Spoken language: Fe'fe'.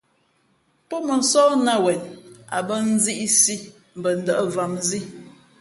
Pó mᾱnsóh nāt wen a bᾱ nzīʼsī mbα ndα̌ʼ vam zǐ.